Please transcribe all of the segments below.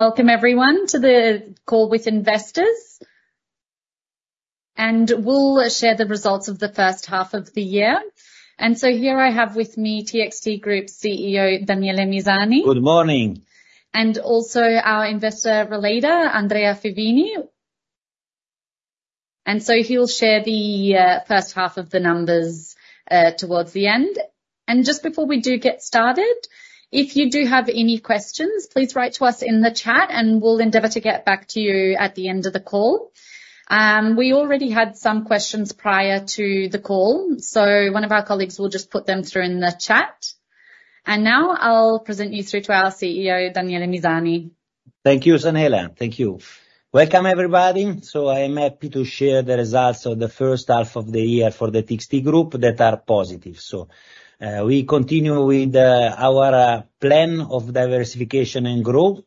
Welcome everyone to the call with investors. And we'll share the results of the 1st half of the year. And so here I have with me, TXT Group CEO, Daniele Misani. Good morning. And also our Investor Relator, Andrea Favini. And so he'll share the 1st half of the numbers towards the end. And just before we do get started, if you do have any questions, please write to us in the chat, and we'll endeavor to get back to you at the end of the call. We already had some questions prior to the call, so one of our colleagues will just put them through in the chat. And now, I'll present you through to our CEO, Daniele Misani. Thank you, Sanela. Thank you. Welcome, everybody. So I'm happy to share the results of the 1st half of the year for the TXT Group that are positive. So we continue with our plan of diversification and growth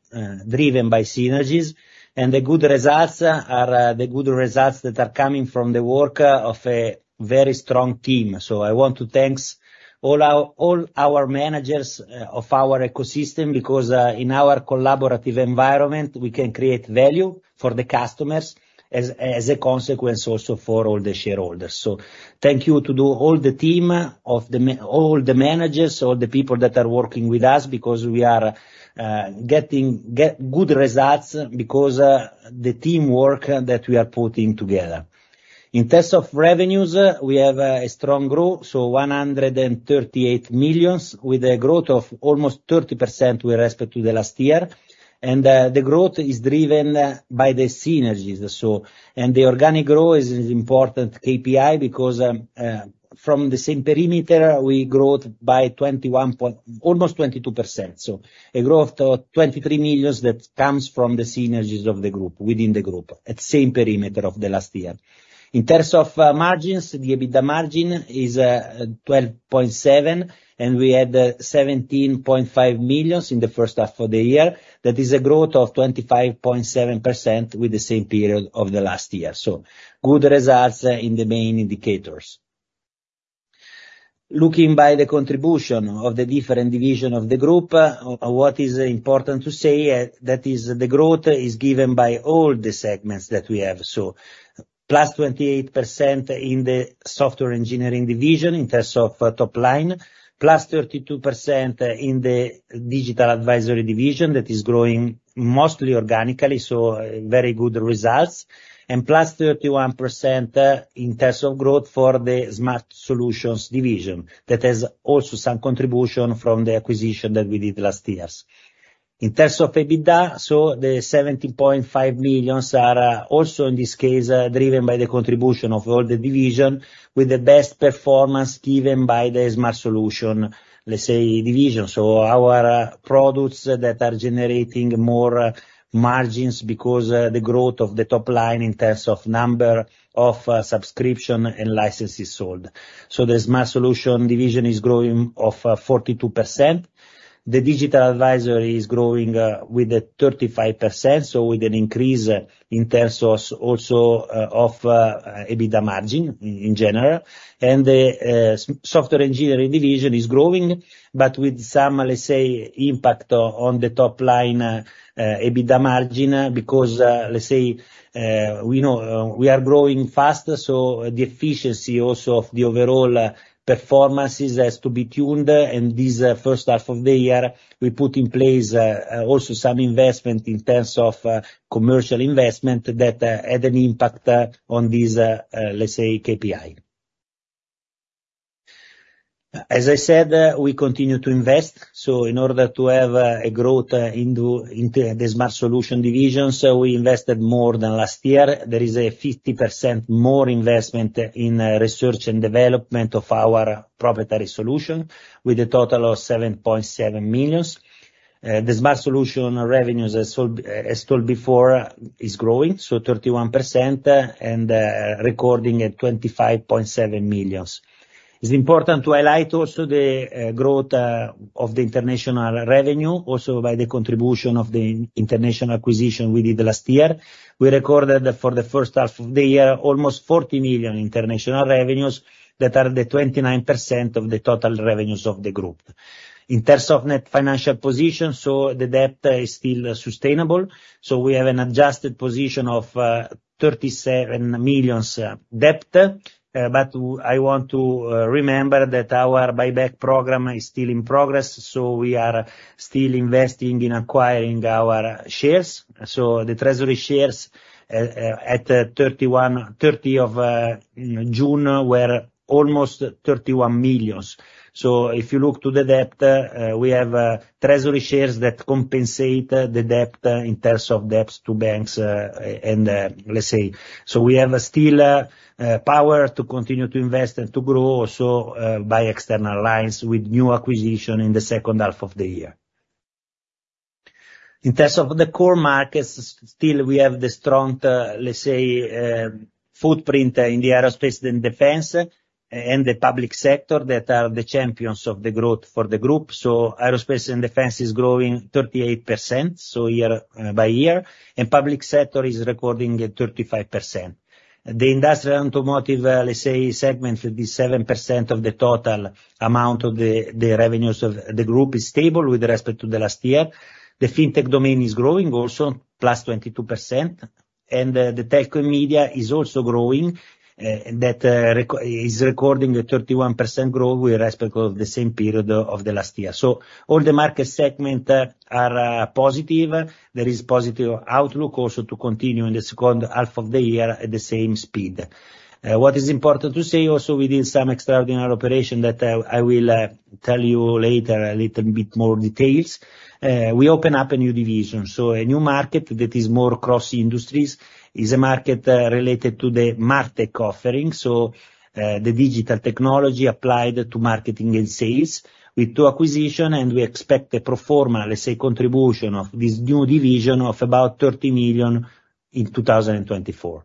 driven by synergies. And the good results are the good results that are coming from the work of a very strong team. So I want to thanks all our managers of our ecosystem, because in our collaborative environment, we can create value for the customers, as a consequence, also for all the shareholders. So thank you to all the team, all the managers, all the people that are working with us, because we are getting good results because the teamwork that we are putting together. In terms of revenues, we have a strong growth, so 138 million, with a growth of almost 30% with respect to the last year. The growth is driven by the synergies. The organic growth is an important KPI, because from the same perimeter, we grew by 21, almost 22%, so a growth of 23 million that comes from the synergies of the group, within the group, at same perimeter of the last year. In terms of margins, the EBITDA margin is 12.7%, and we had 17.5 million in the 1st half of the year. That is a growth of 25.7% with the same period of the last year, so good results in the main indicators. Looking at the contribution of the different divisions of the group, what is important to say that the growth is given by all the segments that we have. So plus 28% in the Software Engineering division, in terms of top line, plus 32% in the Digital Advisory division, that is growing mostly organically, so very good results. And plus 31% in terms of growth for the Smart Solutions division. That has also some contribution from the acquisition that we did last years. In terms of EBITDA, so the 17.5 million are also, in this case, driven by the contribution of all the divisions, with the best performance given by the Smart Solutions, let's say, division. Our products that are generating more margins, because the growth of the top line in terms of number of subscription and licenses sold. The Smart Solutions division is growing 42%. The Digital Advisory is growing with a 35%, so with an increase in terms of also of EBITDA margin in general. The Software Engineering division is growing, but with some, let's say, impact on the top line EBITDA margin, because, let's say, we know we are growing faster, so the efficiency also of the overall performances has to be tuned. This 1st half of the year, we put in place also some investment in terms of commercial investment that had an impact on this let's say KPI. As I said, we continue to invest, so in order to have a growth into the Smart Solutions division, so we invested more than last year. There is a 50% more investment in research and development of our proprietary solution, with a total of 7.7 million. The Smart Solutions revenues, as sold, as told before, is growing, so 31%, and recording at 25.7 million. It's important to highlight also the growth of the international revenue, also by the contribution of the international acquisition we did last year. We recorded, for the 1st half of the year, almost 40 million international revenues, that are 29% of the total revenues of the group. In terms of net financial position, so the debt is still sustainable, so we have an adjusted position of 37 million debt. But I want to remember that our buyback program is still in progress, so we are still investing in acquiring our shares. So the treasury shares at 30 June were almost 31 million. So if you look to the debt, we have treasury shares that compensate the debt in terms of debts to banks and let's say. So we have still power to continue to invest and to grow also by external alliance with new acquisition in the 2nd half of the year. In terms of the core markets, still we have the strong let's say footprint in the aerospace and defense and the public sector that are the champions of the growth for the group. So aerospace and defense is growing 38% year by year and public sector is recording 35%. The industrial automotive let's say segment 57% of the total amount of the revenues of the group is stable with respect to the last year. The fintech domain is growing also +22%. The telco media is also growing, that is recording a 31% growth with respect to the same period of the last year. So all the market segments are positive. There is positive outlook also to continue in the 2nd half of the year at the same speed. What is important to say also, we did some extraordinary operations that I will tell you later a little bit more details. We open up a new division, so a new market that is more cross-industries, is a market related to the MarTech offering, so the digital technology applied to marketing and sales. With two acquisitions, and we expect a pro forma, let's say, contribution of this new division of about 30 million in 2024.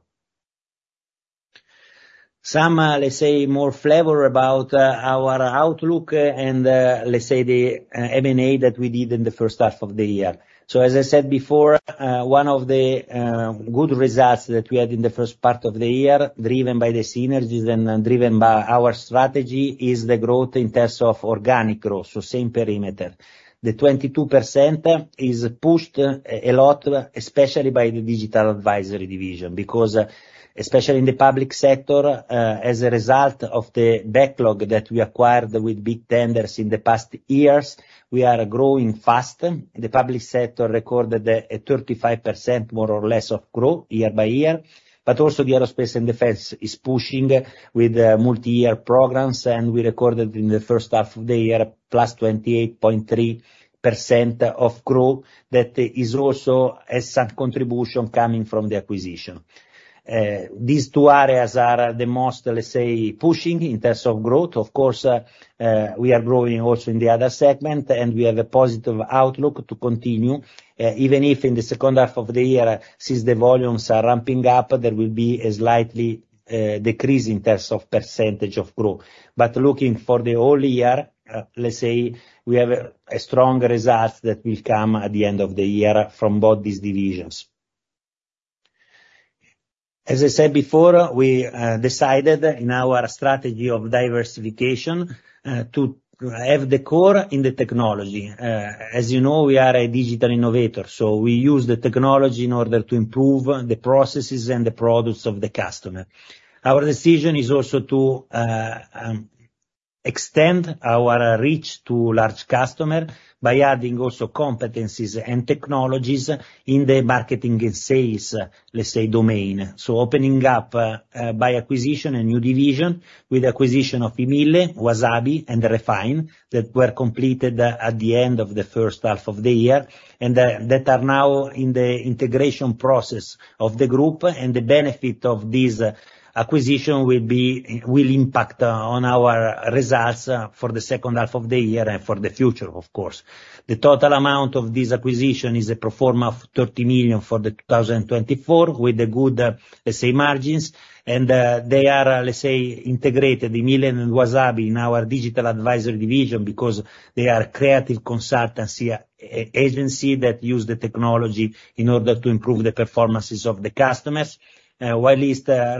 Some, let's say, more flavor about our outlook and, let's say, the M&A that we did in the 1st half of the year. So as I said before, one of the good results that we had in the 1st part of the year, driven by the synergies and driven by our strategy, is the growth in terms of organic growth, so same perimeter. The 22%, is pushed a lot, especially by the Digital Advisory division, because, especially in the public sector, as a result of the backlog that we acquired with big tenders in the past years, we are growing fast. The public sector recorded a thirty-five percent, more or less, of growth year by year, but also the aerospace and defense is pushing with multi-year programs, and we recorded in the 1st half of the year, plus 28.3% of growth. That is also a sad contribution coming from the acquisition. These two areas are the most, let's say, pushing in terms of growth. Of course, we are growing also in the other segment, and we have a positive outlook to continue, even if in the 2nd half of the year, since the volumes are ramping up, there will be a slightly decrease in terms of percentage of growth. But looking for the whole year, let's say, we have a strong result that will come at the end of the year from both these divisions. As I said before, we decided in our strategy of diversification to have the core in the technology. As you know, we are a digital innovator, so we use the technology in order to improve the processes and the products of the customer. Our decision is also to extend our reach to large customer by adding also competencies and technologies in the marketing and sales, let's say, domain. So opening up by acquisition, a new division, with acquisition of I MILLE, Uasabi, and Refine, that were completed at the end of the 1st half of the year, and that are now in the integration process of the group, and the benefit of this acquisition will be, will impact on our results for the 2nd half of the year and for the future, of course. The total amount of this acquisition is a pro forma of 30 million for 2024, with the good, let's say, margins, and they are, let's say, integrated, I MILLE and Uasabi, in our digital advisory division, because they are creative consultancy agency that use the technology in order to improve the performances of the customers. While,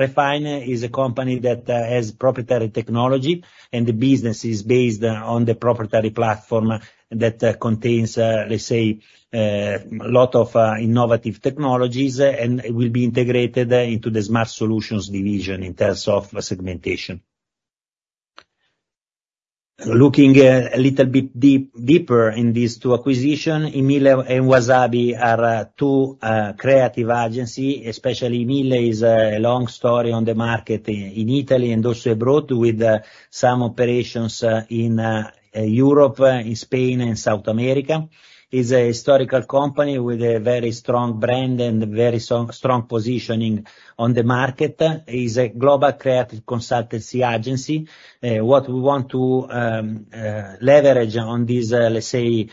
Refine is a company that has proprietary technology, and the business is based on the proprietary platform that contains, let's say, lot of innovative technologies, and it will be integrated into the smart solutions division in terms of segmentation. Looking a little bit deep, deeper in these two acquisition, I MILLE and Uasabi are two creative agency, especially I MILLE, is a long story on the market in Italy and also abroad, with some operations in Europe in Spain and South America. Is a historical company with a very strong brand and very strong positioning on the market. Is a global creative consultancy agency. What we want to leverage on this, let's say,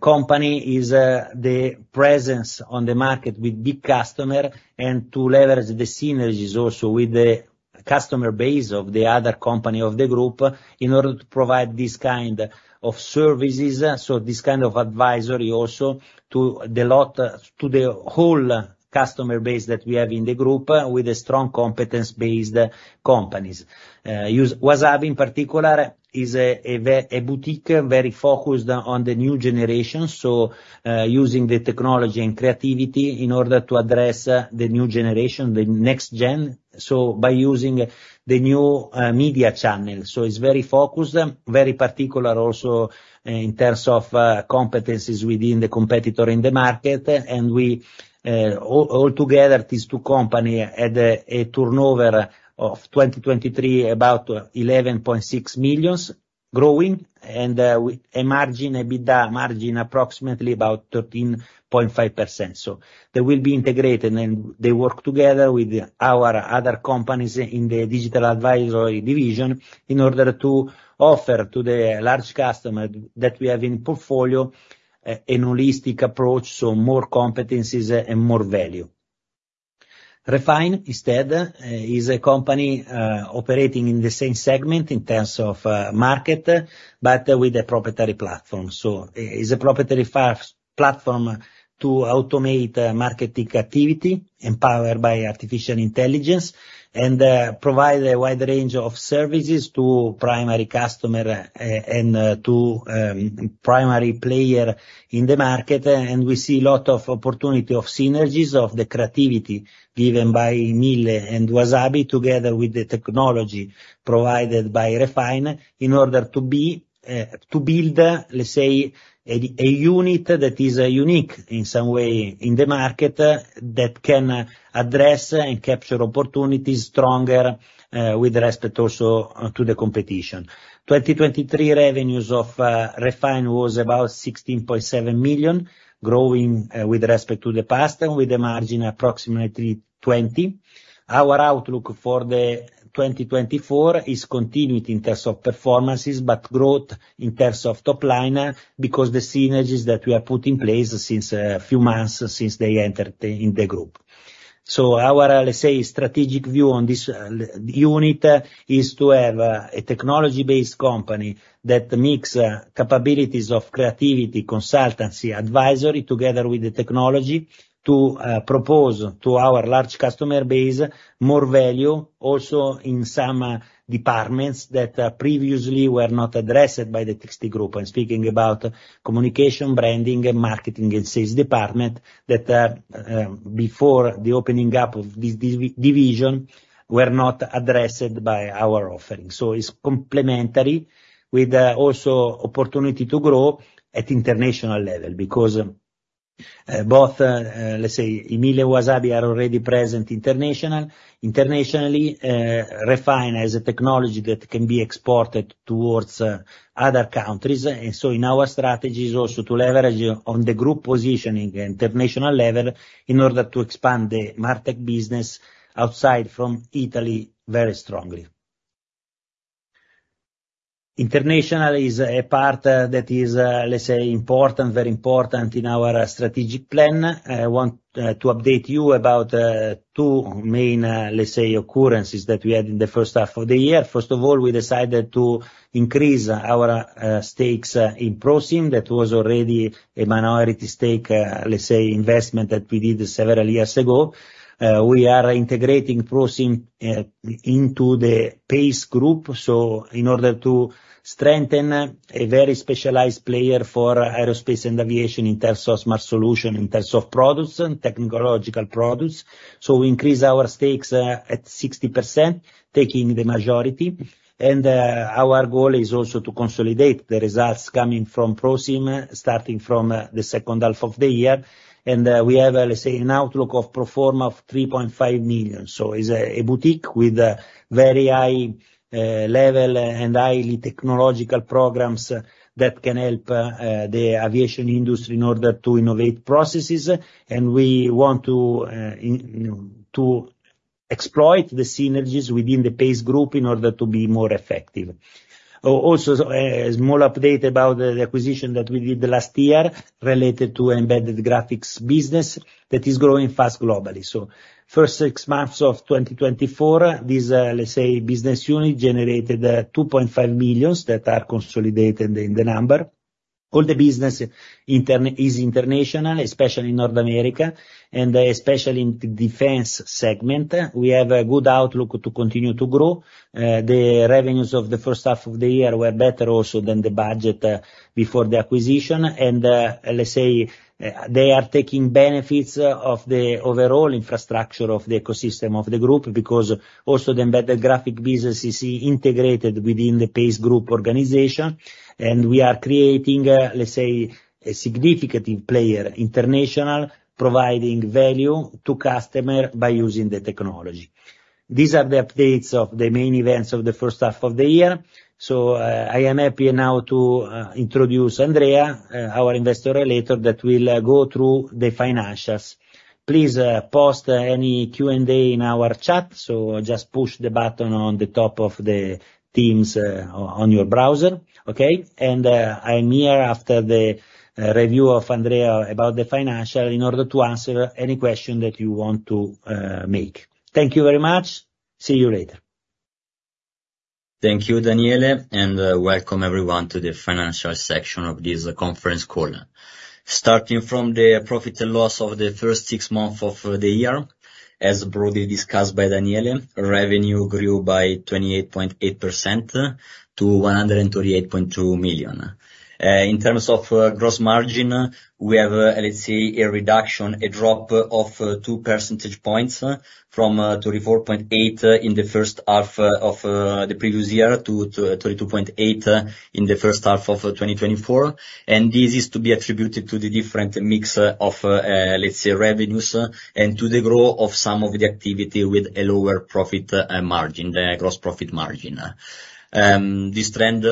company, is the presence on the market with big customer, and to leverage the synergies also with the customer base of the other company of the group, in order to provide this kind of services, so this kind of advisory also to the lot, to the whole customer base that we have in the group, with a strong competence-based companies. Uasabi, in particular, is a boutique very focused on the new generation, so, using the technology and creativity in order to address the new generation, the next gen, so by using the new media channel. So it's very focused, very particular also in terms of competencies within the competitor in the market. And we all together, these two company had a turnover of 2023, about 11.6 million, growing, and with a margin, EBITDA margin, approximately about 13.5%. So they will be integrated, and they work together with our other companies in the Digital Advisory division, in order to offer to the large customer that we have in portfolio an holistic approach, so more competencies and more value. Refine, instead, is a company operating in the same segment in terms of market, but with a proprietary platform. So it's a proprietary platform to automate marketing activity, empowered by artificial intelligence, and provide a wide range of services to primary customer and to primary player in the market. And we see a lot of opportunity of synergies, of the creativity given by I MILLE and Uasabi, together with the technology provided by Refine, in order to be to build, let's say, a unit that is unique in some way in the market that can address and capture opportunities stronger with respect also to the competition. 2023 revenues of Refine was about 16.7 million, growing with respect to the past, and with the margin approximately 20%. Our outlook for 2024 is continued in terms of performances, but growth in terms of top line, because the synergies that we have put in place since a few months, since they entered in the group. So our, let's say, strategic view on this unit, is to have a technology-based company that mix capabilities of creativity, consultancy, advisory, together with the technology, to propose to our large customer base more value, also in some departments that previously were not addressed by the TXT Group. I'm speaking about communication, branding, and marketing, and sales department, that before the opening up of this division, were not addressed by our offering. So it's complementary with also opportunity to grow at international level, because both, let's say, I MILLE and Uasabi, are already present internationally. Refine has a technology that can be exported towards other countries, and so in our strategy is also to leverage on the group positioning at international level, in order to expand the market business outside from Italy very strongly. International is a part that is, let's say, important, very important in our strategic plan. I want to update you about two main, let's say, occurrences that we had in the 1st half of the year. First of all, we decided to increase our stakes in ProSim, that was already a minority stake, let's say, investment that we did several years ago. We are integrating ProSim into the PACE Group, so in order to strengthen a very specialized player for aerospace and aviation in terms of smart solution, in terms of products and technological products. So we increase our stakes at 60%, taking the majority, and our goal is also to consolidate the results coming from ProSim, starting from the 2nd half of the year. We have, let's say, an outlook of pro forma of 3.5 million. So it's a boutique with a very high level and highly technological programs that can help the aviation industry in order to innovate processes, and we want to exploit the synergies within the PACE in order to be more effective. Also, a small update about the acquisition that we did last year related to embedded graphics business that is growing fast globally. So 1st six months of 2024, this, let's say, business unit generated 2.5 million that are consolidated in the number. All the business is international, especially North America, and especially in the defense segment. We have a good outlook to continue to grow. The revenues of the 1st half of the year were better also than the budget, before the acquisition, and, let's say, they are taking benefits of the overall infrastructure of the ecosystem of the group, because also the embedded graphics business is integrated within the PACE Group organization, and we are creating, let's say, a significant player, international, providing value to customer by using the technology. These are the updates of the main events of the 1st half of the year, so I am happy now to introduce Andrea, our Investor Relator, that will go through the financials. Please, post any Q&A in our chat, so just push the button on the top of the teams, on your browser, okay? And, I'm here after the review of Andrea about the financial, in order to answer any question that you want to make. Thank you very much. See you later. Thank you, Daniele, and welcome everyone to the financial section of this conference call. Starting from the profit and loss of the 1st six months of the year, as broadly discussed by Daniele, revenue grew by 28.8%, to 138.2 million. In terms of gross margin, we have, let's say, a reduction, a drop of two percentage points, from 34.8% in the 1st half of the previous year, to 32.8% in the 1st half of 2024. This is to be attributed to the different mix of, let's say, revenues, and to the growth of some of the activity with a lower profit margin, the gross profit margin. This trend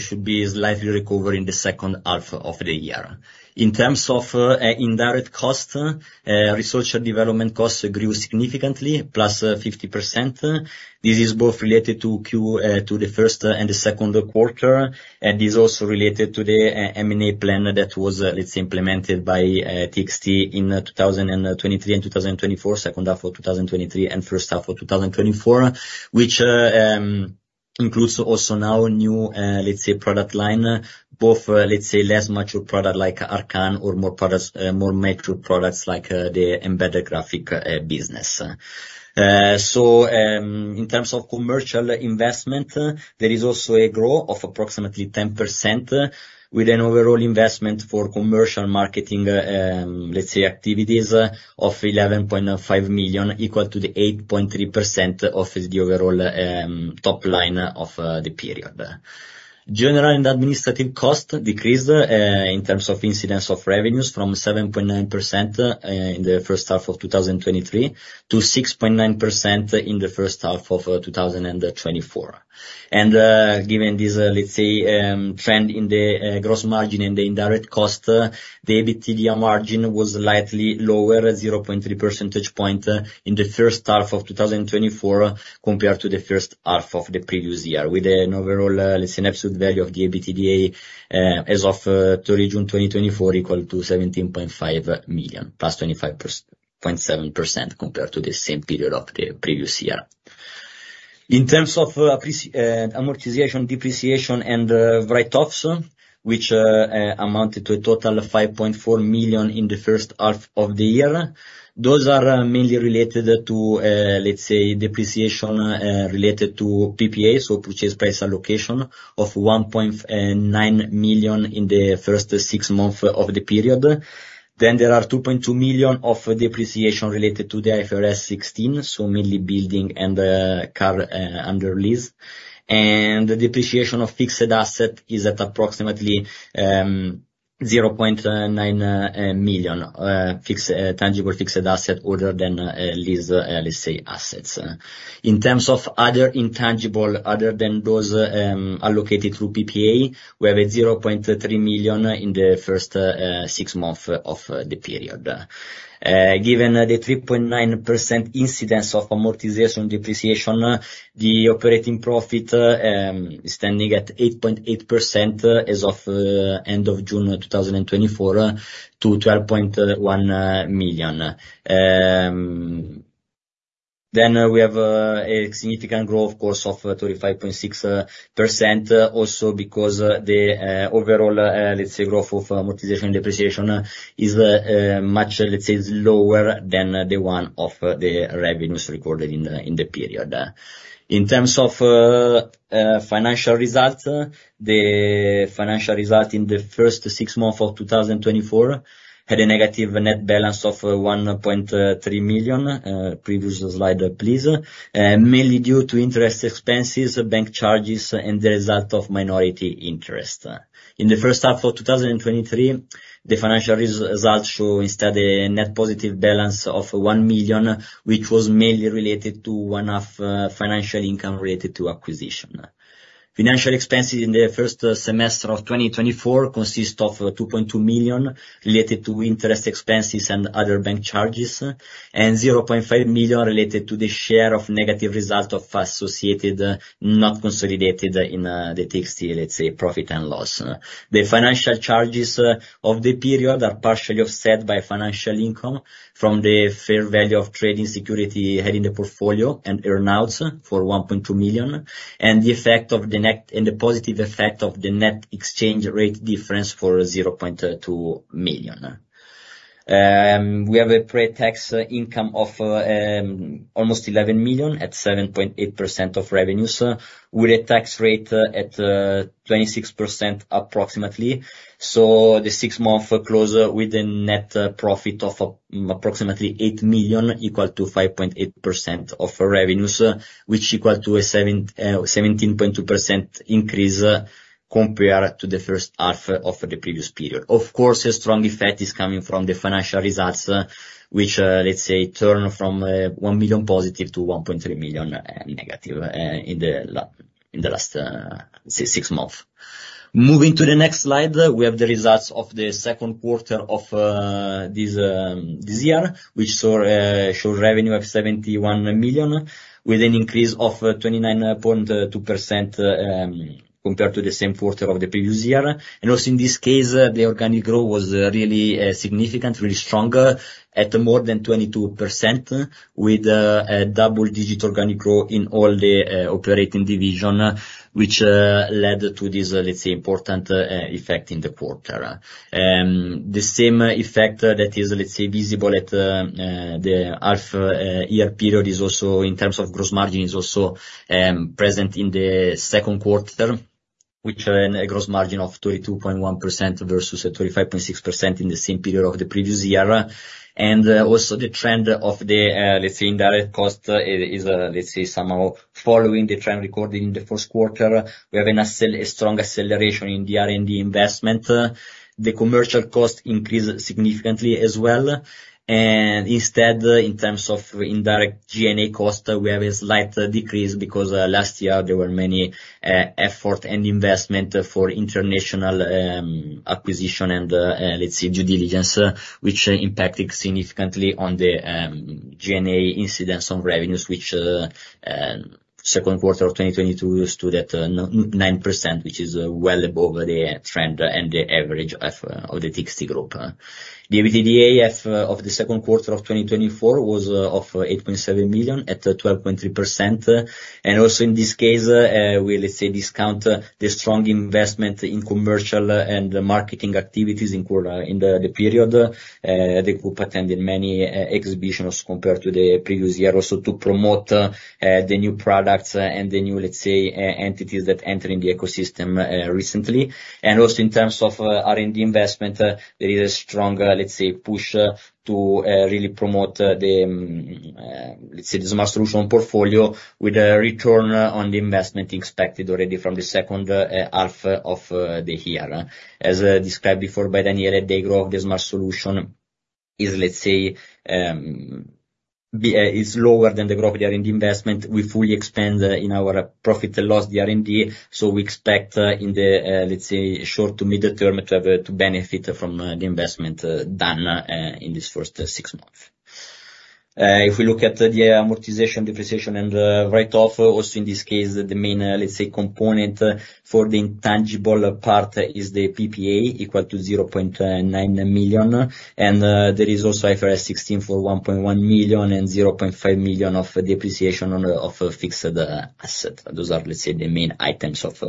should be slightly recover in the 2nd half of the year. In terms of indirect costs, research and development costs grew significantly, plus 50%. This is both related to the 1st and the 2nd quarter, and is also related to the M&A plan that was implemented by TXT in 2023 and 2024, 2nd half of 2023 and 1st half of 2024, which includes also now new, let's say, product line, both, let's say, less mature product like Arcan or more mature products like the embedded graphics business. So, in terms of commercial investment, there is also a growth of approximately 10%, with an overall investment for commercial marketing, let's say, activities, of 11.5 million, equal to 8.3% of the overall top line of the period. General and administrative costs decreased in terms of incidence of revenues from 7.9% in the 1st half of 2023 to 6.9% in the 1st half of 2024. Given this, let's say, trend in the gross margin and the indirect cost, the EBITDA margin was slightly lower, 0.3 percentage point, in the 1st half of 2024, compared to the 1st half of the previous year, with an overall, let's say, absolute value of the EBITDA, as of 30 June 2024, equal to 17.5 million, +25.7% compared to the same period of the previous year. In terms of amortization, depreciation, and write-offs, which amounted to a total of 5.4 million in the 1st half of the year, those are mainly related to, let's say, depreciation related to PPA, so purchase price allocation, of 1.9 million in the 1st six months of the period. Then there are 2.2 million of depreciation related to the IFRS 16, so mainly building and car under lease. And the depreciation of fixed assets is at approximately 0.9 million fixed tangible fixed assets other than lease, let's say, assets. In terms of other intangibles, other than those allocated through PPA, we have a 0.3 million in the 1st six months of the period. Given the 3.9% incidence of amortization depreciation, the operating profit is standing at 8.8%, as of end of June 2024, to 12.1 million. Then, we have a significant growth course of 35.6%, also because the overall, let's say, growth of amortization depreciation is much, let's say, lower than the one of the revenues recorded in the period. In terms of financial results, the financial result in the 1st six months of 2024 had a negative net balance of 1.3 million. Previous slide, please. Mainly due to interest expenses, bank charges, and the result of minority interest. In the 1st half of 2023, the financial result shows instead a net positive balance of 1 million, which was mainly related to one-off financial income related to acquisition. Financial expenses in the 1st semester of 2024 consist of 2.2 million related to interest expenses and other bank charges, and 0.5 million related to the share of negative result of associated, not consolidated in the TXT, let's say, profit and loss. The financial charges of the period are partially offset by financial income from the fair value of trading security held in the portfolio, and earn-outs for 1.2 million, and the positive effect of the net exchange rate difference for 0.2 million. We have a pre-tax income of almost 11 million, at 7.8% of revenues, with a tax rate at 26% approximately. So the six month close with a net profit of approximately 8 million, equal to 5.8% of revenues, which equal to a 17.2% increase compared to the 1st half of the previous period. Of course, a strong effect is coming from the financial results, which, let's say, turn from 1 million positive to 1.3 million negative in the last say six months. Moving to the next slide, we have the results of the 2nd quarter of this year, which showed revenue of 71 million, with an increase of 29.2%, compared to the same quarter of the previous year, and also, in this case, the organic growth was really significant, really strong, at more than 22%, with a double-digit organic growth in all the operating division, which led to this, let's say, important effect in the quarter. The same effect that is, let's say, visible at the half year period is also, in terms of gross margin, present in the 2nd quarter, which earn a gross margin of 32.1% versus 35.6% in the same period of the previous year. Also the trend of the, let's say, indirect cost is, let's say, somehow following the trend recorded in the 1st quarter. We're having a strong acceleration in the R&D investment. The commercial cost increased significantly as well, and instead, in terms of indirect G&A cost, we have a slight decrease, because last year there were many effort and investment for international acquisition and, let's say, due diligence, which impacted significantly on the G&A incidence on revenues, which 2nd quarter of 2022 stood at 9%, which is well above the trend and the average of the TXT Group. The EBITDA of the 2nd quarter of 2023 was 8.7 million at 12.3%, and also in this case, we let's say discount the strong investment in commercial and the marketing activities in the quarter, in the period. The group attended many exhibitions compared to the previous year, also to promote the new products and the new, let's say, entities that enter in the ecosystem recently. And also in terms of R&D investment, there is a strong, let's say, push to really promote the let's say the smart solution portfolio, with a return on the investment expected already from the 2nd half of the year. As described before by Daniele, the growth of the smart solution is, let's say, is lower than the growth of the R&D investment. We fully expand in our profit and loss the R&D, so we expect in the, let's say, short to mid-term to have to benefit from the investment done in this 1st six months. If we look at the amortization, depreciation, and write-off, also in this case, the main, let's say, component for the intangible part is the PPA equal to 0.9 million, and there is also IFRS 16 for 1.1 million and 0.5 million of depreciation on fixed asset. Those are, let's say, the main items of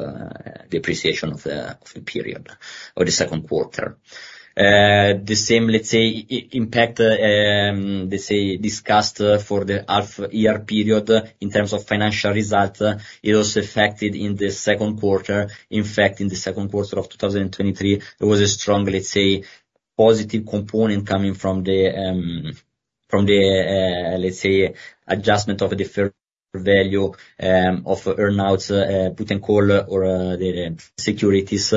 depreciation of the period or the 2nd quarter. The same, let's say, impact, let's say, discussed for the half year period in terms of financial result, it also affected in the 2nd quarter. In fact, in the 2nd quarter of 2023, there was a strong, let's say, positive component coming from the, let's say, adjustment of the fair value of earn outs, put and call, or the securities,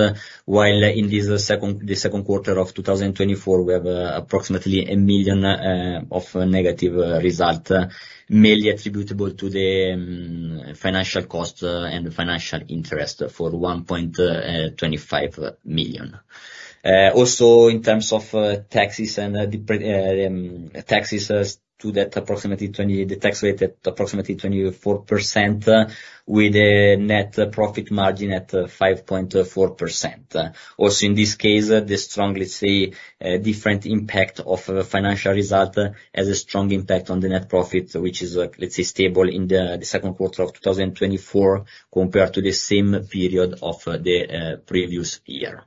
while in the 2nd quarter of 2024, we have approximately 1 million of negative result, mainly attributable to the financial cost and financial interest for 1.25 million. Also in terms of taxes. As to that, the tax rate at approximately 24%, with a net profit margin at 5.4%. Also, in this case, the strong, let's say, different impact of the financial result has a strong impact on the net profit, which is, let's say, stable in the 2nd quarter of 2024, compared to the same period of the previous year.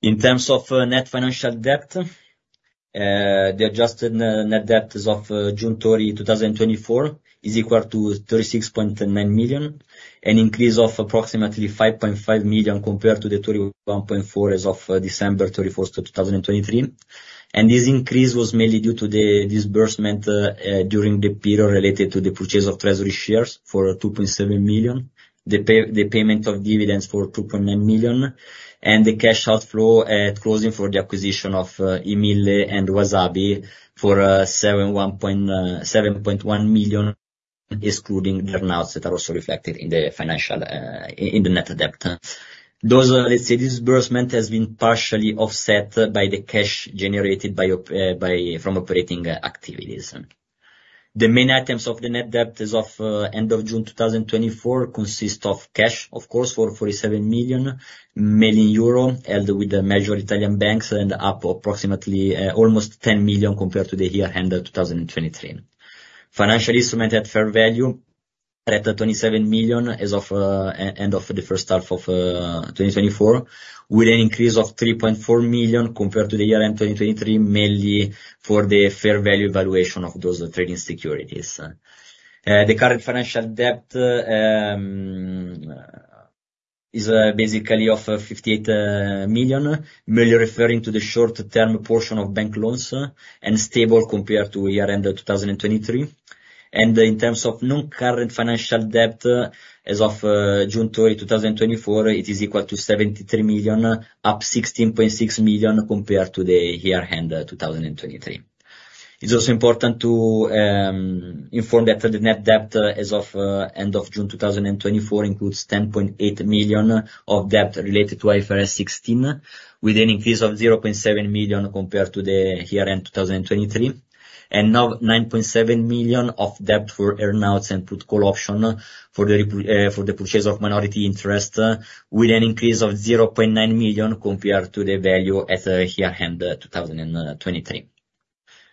In terms of net financial debt, the adjusted net debt as of June 30, 2024, is equal to 36.9 million, an increase of approximately 5.5 million compared to the 31.4 million as of December 31st, 2023. This increase was mainly due to the disbursement during the period related to the purchase of treasury shares for 2.7 million, the payment of dividends for 2.9 million, and the cash outflow at closing for the acquisition of I MILLE and Uasabi for 7.1 million, excluding the earn outs that are also reflected in the financial in the net debt. Those, let's say, disbursement has been partially offset by the cash generated from operating activities. The main items of the net debt as of end of June 2024 consist of cash, of course, for 47 million, and with the major Italian banks, and up approximately almost 10 million compared to the year end of 2023. Financial instrument at fair value at 27 million as of end of the 1st half of 2024, with an increase of 3.4 million compared to the year end 2023, mainly for the fair value valuation of those trading securities. The current financial debt is basically of 58 million, mainly referring to the short-term portion of bank loans, and stable compared to year end of 2023. And in terms of non-current financial debt, as of June 30, 2024, it is equal to 73 million, up 16.6 million compared to the year end 2023. It's also important to inform that the net debt as of end of June 2024 includes 10.8 million of debt related to IFRS 16, with an increase of 0.7 million compared to the year-end 2023. And now, 9.7 million of debt for earn-outs and put-call option for the purchase of minority interest, with an increase of 0.9 million compared to the value at year-end 2023.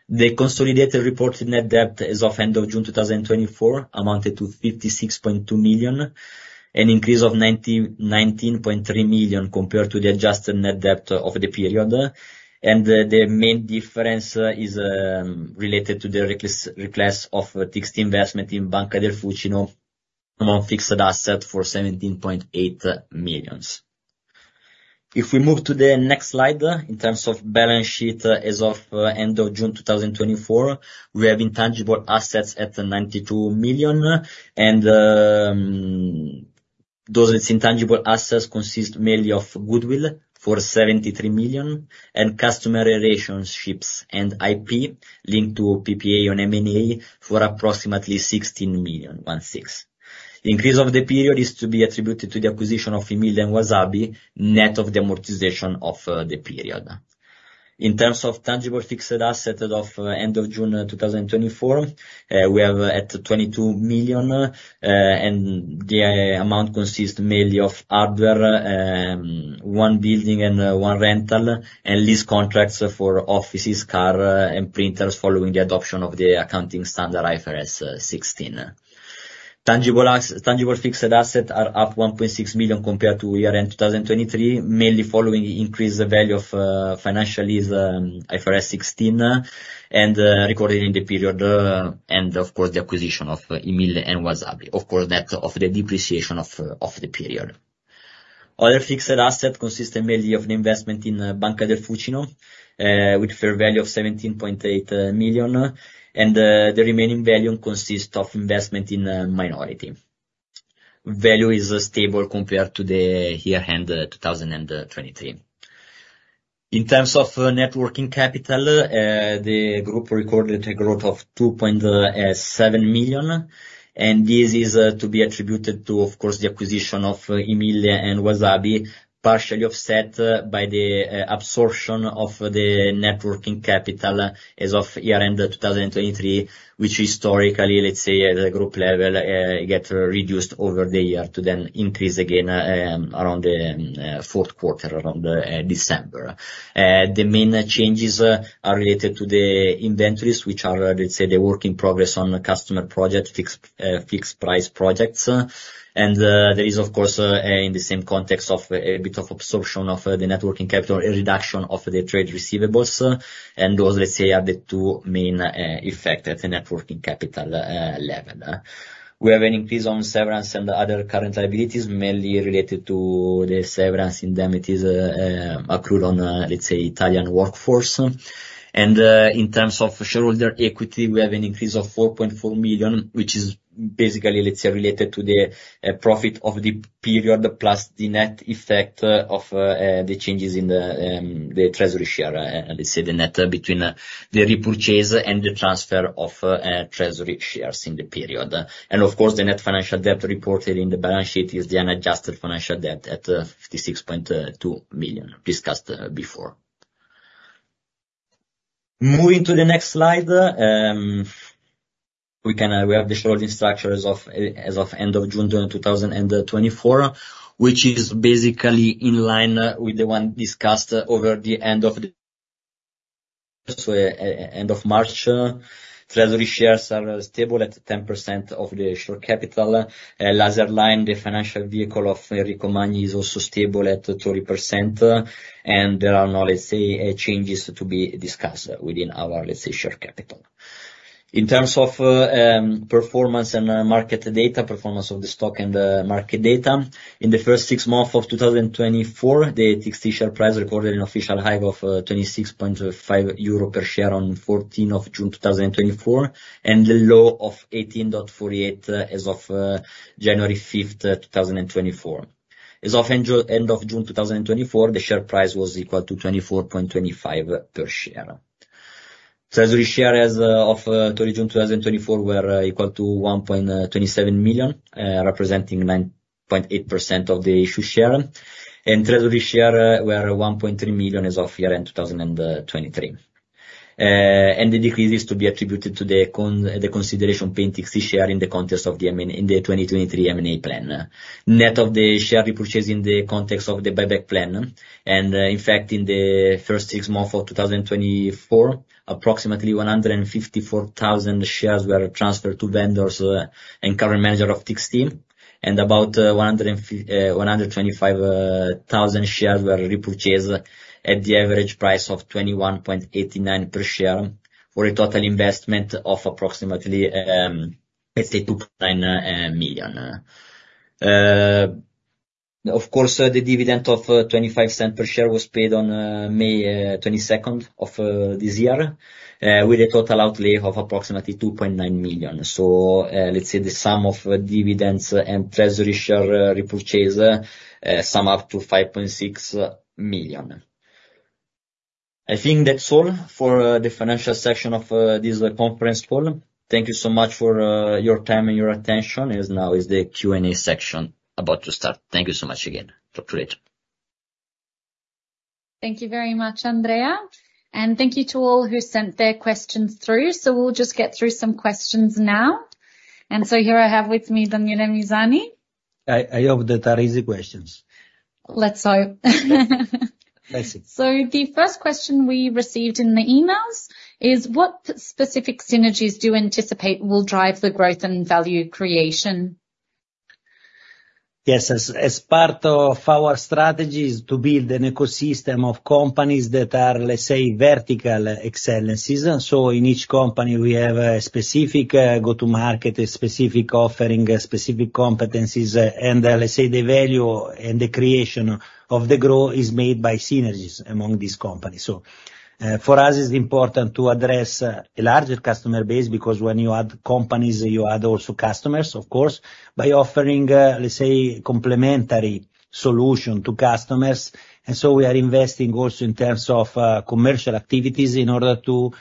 The consolidated reported net debt as of end of June 2024 amounted to 56.2 million, an increase of 1EUR 9.3 million compared to the adjusted net debt of the period. The main difference is related to the reclass of TXT investment in Banca del Fucino among fixed assets for 17.8 million. If we move to the next slide, in terms of balance sheet as of end of June 2024, we have intangible assets at 92 million, and those intangible assets consist mainly of goodwill, for 73 million, and customer relationships and IP linked to PPA on M&A for approximately 16 million, 16. Increase of the period is to be attributed to the acquisition of I MILLE and Uasabi, net of the amortization of the period. In terms of tangible fixed assets of end of June 2024, we are at 22 million, and the amount consists mainly of hardware, one building and one rental, and lease contracts for offices, car, and printers, following the adoption of the accounting standard IFRS 16. Tangible fixed assets are up 1.6 million compared to year-end 2023, mainly following the increased value of financial lease, IFRS 16, and recorded in the period, and of course, the acquisition of I MILLE and Uasabi. Of course, net of the depreciation of the period. Other fixed assets consist mainly of an investment in Banca del Fucino, with fair value of 17.8 million, and the remaining value consists of investment in minority. Value is stable compared to the year-end 2023. In terms of net working capital, the group recorded a growth of 2.7 million, and this is to be attributed to, of course, the acquisition of I MILLE and Uasabi, partially offset by the absorption of the net working capital as of year-end 2023, which historically, let's say, at the group level, get reduced over the year, to then increase again, around the 4th quarter, around December. The main changes are related to the inventories, which are, let's say, the work in progress on the customer project, fixed price projects. There is, of course, in the same context of a bit of absorption of the net working capital, a reduction of the trade receivables, and those, let's say, are the two main effect at the net working capital level. We have an increase on severance and other current liabilities, mainly related to the severance indemnities accrued on, let's say, Italian workforce. In terms of shareholder equity, we have an increase of 4.4 million, which is basically, let's say, related to the profit of the period, plus the net effect of the changes in the treasury share, let's say, the net between the repurchase and the transfer of treasury shares in the period. Of course, the net financial debt reported in the balance sheet is the unadjusted financial debt at 56.2 million, discussed before. Moving to the next slide, we have the shareholding structure as of end of June, 2024, which is basically in line with the one discussed over the end of the... So, end of March, treasury shares are stable at 10% of the share capital. Laserline, the financial vehicle of Enrico Magni, is also stable at 30%, and there are no, let's say, changes to be discussed within our, let's say, share capital. In terms of performance and market data, performance of the stock and market data, in the 1st six months of 2024, the TXT share price recorded an official high of 26.5 euro per share on 14th of June 2024, and a low of 18.48 as of January 5th 2024. As of end of June 2024, the share price was equal to 24.25 per share. Treasury shares as of 30 June 2024 were equal to 1.27 million, representing 9.8% of the issued share. And treasury shares were 1.3 million as of year-end 2023. And the decrease is to be attributed to the consideration pertaining to TXT share in the context of the M&A in the 2023 M&A plan. Net of the share repurchase in the context of the buyback plan, and in fact, in the 1st six months of 2024, approximately 154,000 shares were transferred to vendors and current managers of TXT, and about 125,000 shares were repurchased at the average price of 21.89 per share, for a total investment of approximately 2 million. Of course, the dividend of 0.25 per share was paid on May 22nd of this year, with a total outlay of approximately 2.9 million. Let's say, the sum of dividends and treasury share repurchase sum up to 5.6 million. I think that's all for the financial section of this conference call. Thank you so much for your time and your attention, as now is the Q&A section about to start. Thank you so much again. Talk to you later. Thank you very much, Andrea, and thank you to all who sent their questions through, so we'll just get through some questions now, and so here I have with me, Daniele Misani. I hope that are easy questions. Let's hope. Thank you. So the 1st question we received in the emails is: What specific synergies do you anticipate will drive the growth and value creation? Yes, as part of our strategy, is to build an ecosystem of companies that are, let's say, vertical excellencies. So in each company, we have a specific go-to-market, a specific offering, specific competencies, and, let's say, the value and the creation of the growth is made by synergies among these companies, so- ... for us, it's important to address a larger customer base, because when you add companies, you add also customers, of course, by offering, let's say, complementary solution to customers. And so we are investing also in terms of commercial activities in order to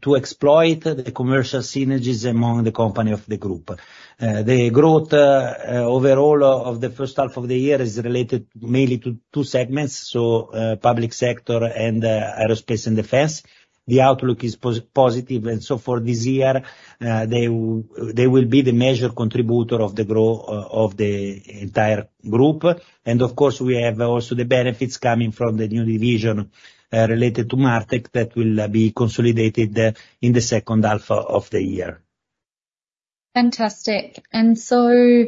to exploit the commercial synergies among the company of the group. The growth overall of the 1st half of the year is related mainly to two segments, so public sector and aerospace and defense. The outlook is positive, and so for this year, they will be the major contributor of the growth of the entire group. And of course, we have also the benefits coming from the new division related to MarTech, that will be consolidated in the 2nd half of the year. Fantastic, and so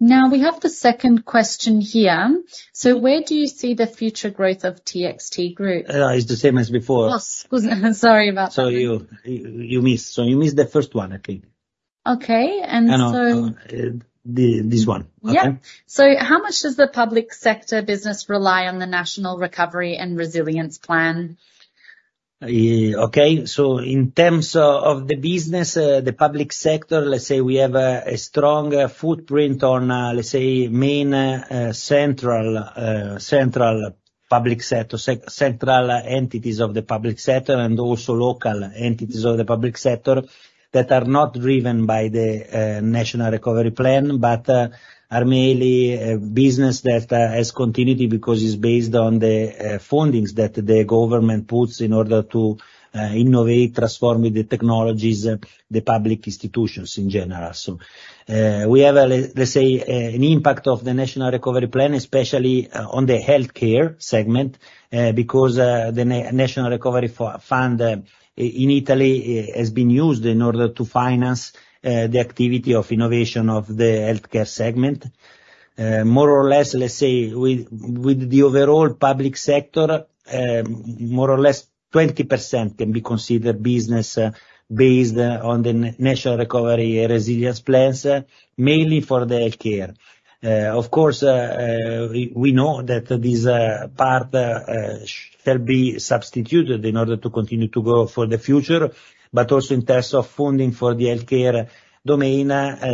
now we have the 2nd question here: where do you see the future growth of TXT Group? It's the same as before. Oh, sorry about that. So you missed the first one, I think. Okay, and so No, no, this one. Yeah. So how much does the public sector business rely on the National Recovery and Resilience Plan? Okay, so in terms of the business, the public sector, let's say we have a strong footprint on, let's say, main, central public sector, central entities of the public sector and also local entities of the public sector, that are not driven by the National Recovery Plan, but are mainly a business that has continuity, because it's based on the fundings that the government puts in order to innovate, transforming the technologies, the public institutions in general. So, we have a, let's say, an impact of the National Recovery Plan, especially on the healthcare segment, because the National Recovery Fund in Italy has been used in order to finance the activity of innovation of the healthcare segment. More or less, let's say, with the overall public sector, more or less 20% can be considered business, based on the National Recovery Resilience plans, mainly for the healthcare. Of course, we know that this part shall be substituted in order to continue to grow for the future. But also in terms of funding for the healthcare domain,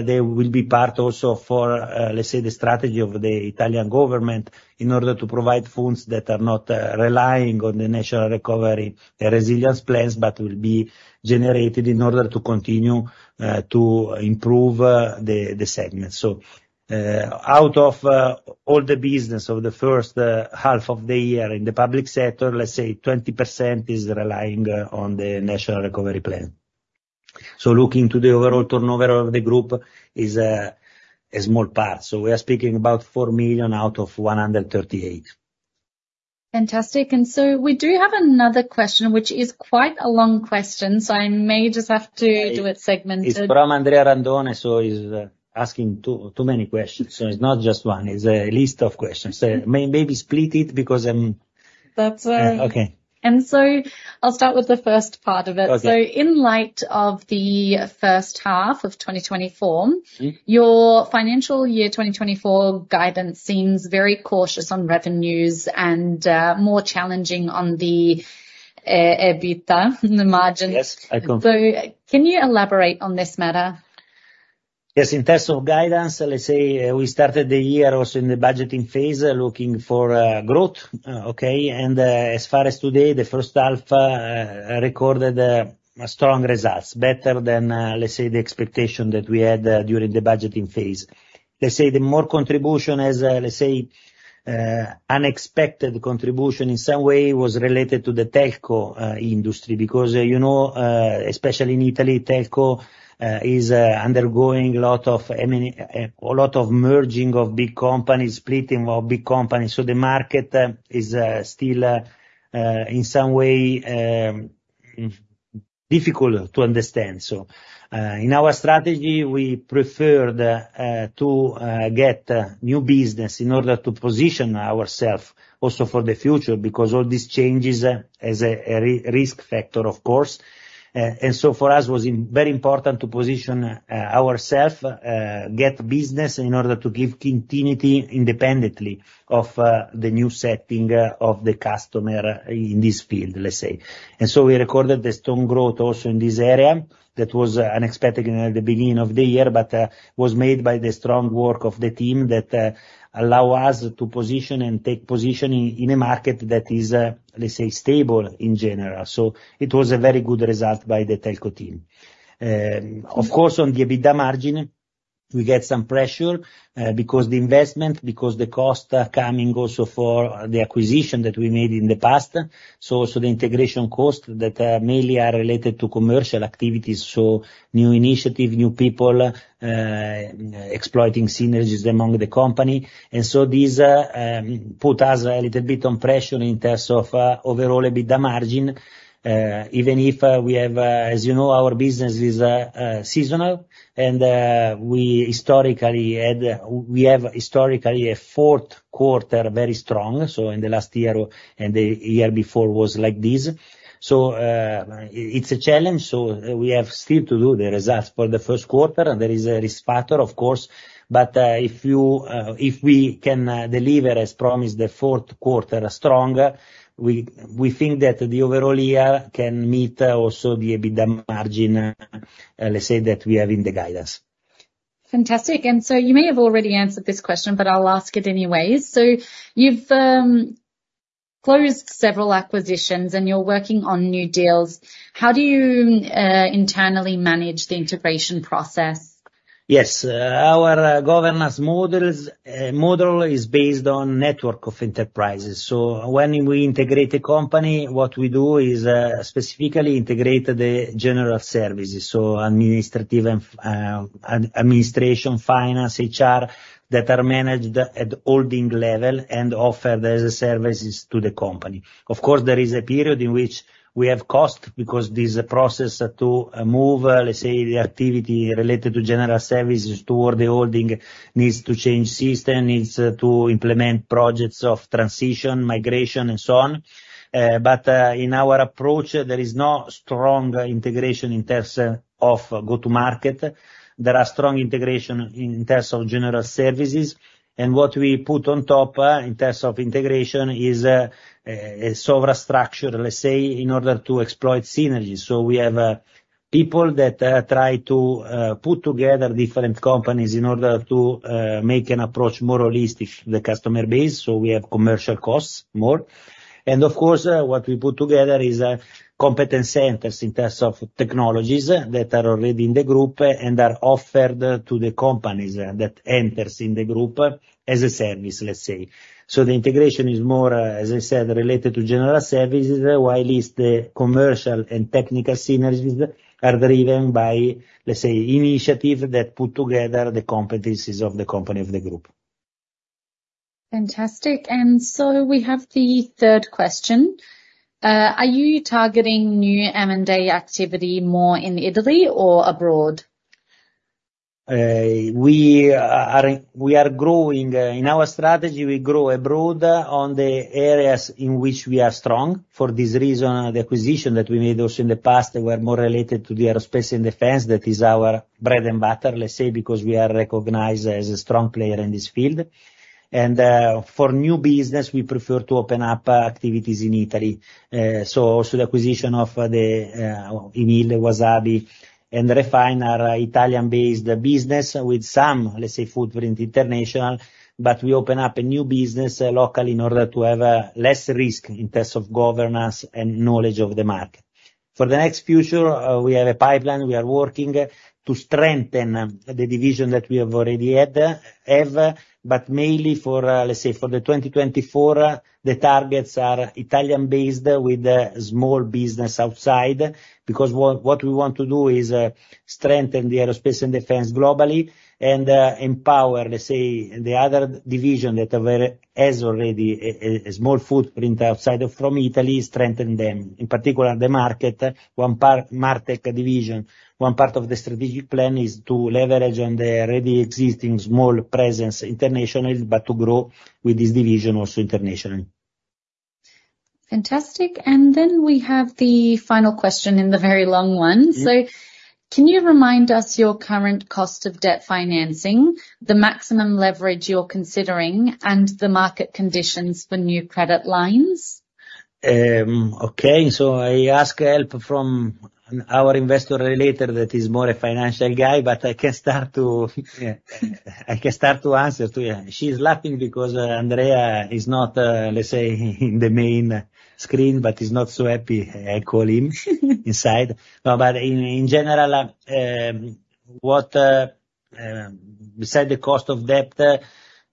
they will be part also for, let's say, the strategy of the Italian government in order to provide funds that are not relying on the National Recovery Resilience plans, but will be generated in order to continue to improve the segment. Out of all the business of the 1st half of the year in the public sector, let's say 20% is relying on the National Recovery Plan. Looking to the overall turnover of the group is a small part, so we are speaking about 4 million out of 138 million. Fantastic, and so we do have another question, which is quite a long question, so I may just have to do it segmented. It's from Andrea Randone, so he's asking too many questions. So it's not just one, it's a list of questions. Maybe split it because, That's why. Uh, okay. And so I'll start with the first part of it. Okay. So in light of the 1st half of 2024- Mm-hmm. Your financial year 2024 guidance seems very cautious on revenues and more challenging on the EBITDA, the margins. Yes, I co- Can you elaborate on this matter? Yes, in terms of guidance, let's say, we started the year also in the budgeting phase, looking for growth. Okay, and as far as today, the 1st half recorded strong results, better than, let's say, the expectation that we had during the budgeting phase. Let's say, the more contribution as, let's say, unexpected contribution, in some way, was related to the telco industry, because you know, especially in Italy, telco is undergoing a lot of merging of big companies, splitting of big companies. So the market is still in some way difficult to understand. So, in our strategy, we preferred to get new business in order to position ourselves also for the future, because all these changes is a risk factor, of course. And so for us, it was very important to position ourselves, get business in order to give continuity independently of the new setting of the customer in this field, let's say. And so we recorded the strong growth also in this area, that was unexpected at the beginning of the year, but was made by the strong work of the team that allow us to position and take position in a market that is, let's say, stable in general. So it was a very good result by the telco team. Of course, on the EBITDA margin, we get some pressure because the investment, because the cost are coming also for the acquisition that we made in the past, so, so the integration cost that mainly are related to commercial activities, so new initiative, new people, exploiting synergies among the company. And so this put us a little bit on pressure in terms of overall EBITDA margin, even if we have... As you know, our business is seasonal, and we historically had, we have historically a 4th quarter, very strong. So in the last year and the year before was like this. So it's a challenge, so we have still to do the results for the 1st quarter, and there is a risk factor, of course. But if we can deliver as promised, the 4th quarter strong, we think that the overall year can meet also the EBITDA margin, let's say, that we have in the guidance. Fantastic. And so you may have already answered this question, but I'll ask it anyways. So you've closed several acquisitions, and you're working on new deals. How do you internally manage the integration process? Yes. Our governance models model is based on network of enterprises. So when we integrate a company, what we do is specifically integrate the general services, so administrative and administration, finance, HR, that are managed at holding level and offer the services to the company. Of course, there is a period in which we have costs, because there's a process to move, let's say, the activity related to general services toward the holding. Needs to change system, needs to implement projects of transition, migration, and so on. But in our approach, there is no strong integration in terms of go-to-market. There are strong integration in terms of general services, and what we put on top in terms of integration is a superstructure, let's say, in order to exploit synergies. So we have people that try to put together different companies in order to make an approach more holistic the customer base, so we have commercial costs more. And of course, what we put together is competence centers in terms of technologies that are already in the group and are offered to the companies that enters in the group as a service, let's say. So the integration is more, as I said, related to general services, while is the commercial and technical synergies are driven by, let's say, initiatives that put together the competencies of the company of the group. Fantastic, and so we have the 3rd question. Are you targeting new M&A activity more in Italy or abroad? We are growing. In our strategy, we grow abroad on the areas in which we are strong. For this reason, the acquisition that we made also in the past were more related to the aerospace and defense. That is our bread and butter, let's say, because we are recognized as a strong player in this field, and for new business, we prefer to open up activities in Italy, so also the acquisition of the in Italy, Uasabi and Refine Italian-based business with some, let's say, footprint international, but we open up a new business local in order to have less risk in terms of governance and knowledge of the market. For the next future, we have a pipeline. We are working to strengthen the division that we have already had, but mainly for, let's say, for 2024, the targets are Italian-based with a small business outside, because what we want to do is strengthen the aerospace and defense globally and empower, let's say, the other division that are very has already a small footprint outside of from Italy, strengthen them, in particular the market. One part, MarTech division, one part of the strategic plan is to leverage on the already existing small presence internationally, but to grow with this division also internationally. Fantastic. And then we have the final question, and the very long one. Yeah. Can you remind us your current cost of debt financing, the maximum leverage you're considering, and the market conditions for new credit lines? Okay. So I ask help from our investor relator, that is more a financial guy, but I can start to answer to you. She's laughing because Andrea is not, let's say, in the main screen, but he's not so happy I call him inside. No, but in general, besides the cost of debt,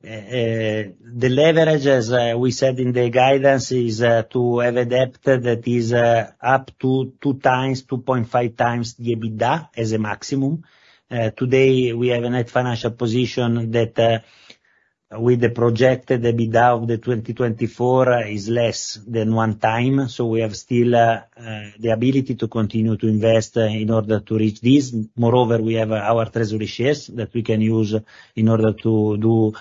the leverage, as we said in the guidance, is to have a debt that is up to 2 times, 2.5 times the EBITDA as a maximum. Today, we have a net financial position that with the projected EBITDA of 2024 is less than 1 time, so we have still the ability to continue to invest in order to reach this. Moreover, we have our treasury shares that we can use in order to do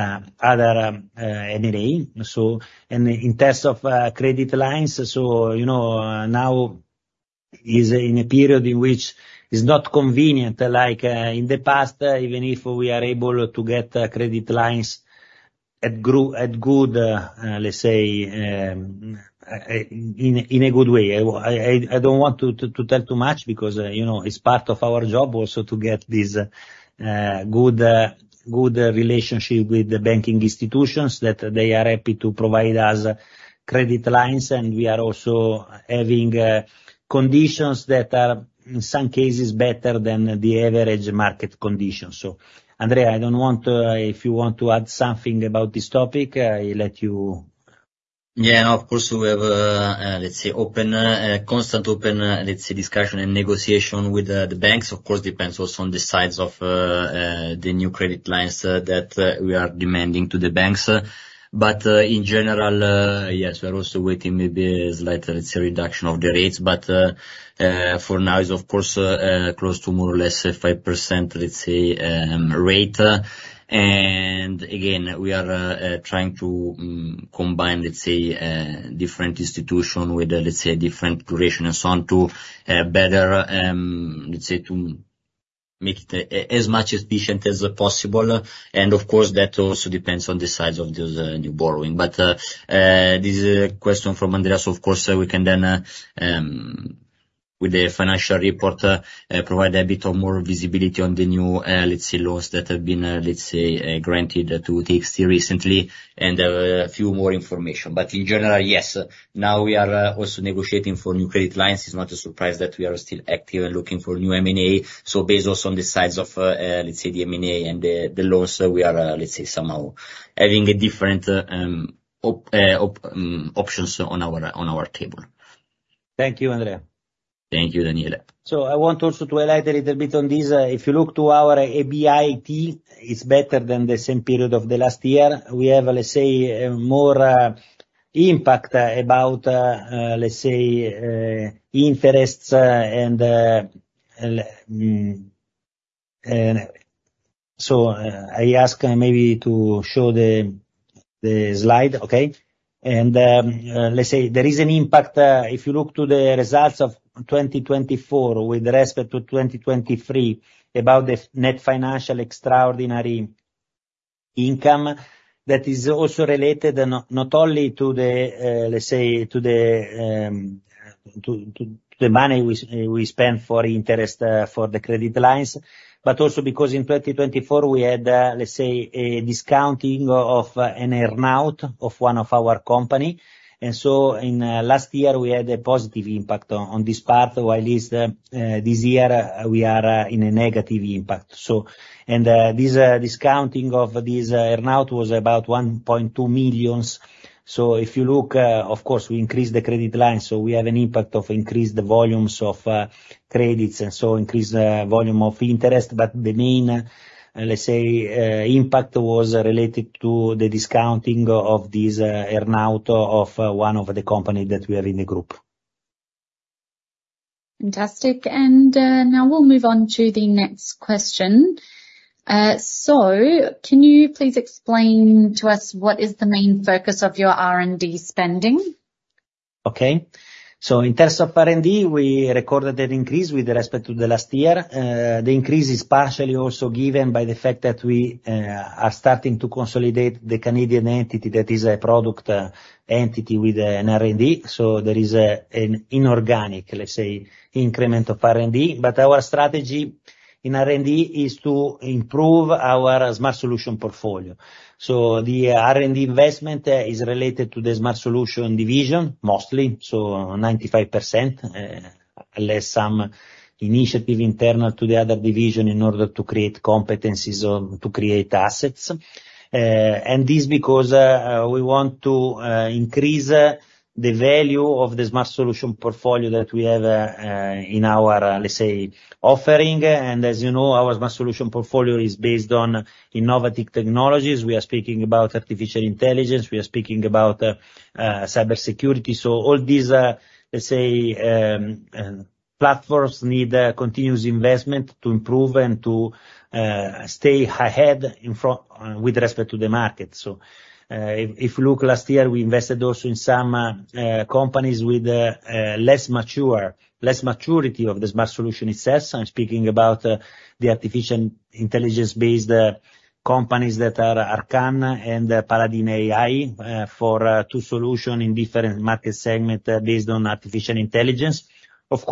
other M&A. So... And in terms of credit lines, so, you know, now is in a period in which it's not convenient, like, in the past, even if we are able to get credit lines at good, let's say, in a good way. I don't want to tell too much because, you know, it's part of our job also to get this good relationship with the banking institutions, that they are happy to provide us credit lines, and we are also having conditions that are, in some cases, better than the average market conditions. So, Andrea, I don't want, if you want to add something about this topic, I let you. Yeah, of course, we have, let's say, open constant, let's say, discussion and negotiation with the banks. Of course, depends also on the size of the new credit lines that we are demanding to the banks. But in general, yes, we're also waiting maybe a slight, let's say, reduction of the rates, but for now, it's of course close to more or less 5%, let's say, rate. And again, we are trying to combine, let's say, different institution with, let's say, different duration and so on to better, let's say, to-... make it as efficient as possible, and of course, that also depends on the size of the new borrowing. But this is a question from Andrea's, of course, so we can then, with the financial report, provide a bit more visibility on the new, let's say, loans that have been, let's say, granted to TXT recently, and a few more information. But in general, yes, now we are also negotiating for new credit lines. It's not a surprise that we are still active and looking for new M&A, so based also on the size of, let's say, the M&A and the loans, we are, let's say, somehow having different options on our table. Thank you, Andrea. Thank you, Daniele. So I want also to highlight a little bit on this. If you look to our EBIT, it's better than the same period of the last year. We have, let's say, more impact about, let's say, interests, and, and so, I ask maybe to show the slide. Okay. Let's say there is an impact if you look to the results of 2024 with respect to 2023 about the net financial extraordinary income. That is also related and not only to the money we spent for interest for the credit lines, but also because in 2024 we had let's say a discounting of an earn-out of one of our company, and so in last year we had a positive impact on this part, while this year we are in a negative impact. So, this discounting of this earn-out was about 1.2 million. So if you look, of course, we increased the credit line, so we have an impact of increased volumes of credits, and so increased volume of interest. But the main, let's say, impact was related to the discounting of this earn-out of one of the company that we are in the group. Fantastic. And, now we'll move on to the next question. So can you please explain to us what is the main focus of your R&D spending? Okay. So in terms of R&D, we recorded an increase with respect to the last year. The increase is partially also given by the fact that we are starting to consolidate the Canadian entity that is a product entity with an R&D, so there is an inorganic, let's say, increment of R&D. But our strategy in R&D is to improve our Smart Solutions portfolio. So the R&D investment is related to the Smart Solutions division, mostly, so 95% less some initiative internal to the other division in order to create competencies or to create assets. And this because we want to increase the value of the Smart Solutions portfolio that we have in our, let's say, offering. And as you know, our Smart Solutions portfolio is based on innovative technologies. We are speaking about artificial intelligence. We are speaking about cybersecurity. So all these, let's say, platforms need continuous investment to improve and to stay ahead in front with respect to the market. So, if you look last year, we invested also in some companies with less mature, less maturity of the smart solution itself. I'm speaking about the artificial intelligence-based companies that are Arcan and Paladin AI for two solution in different market segment based on artificial intelligence. Of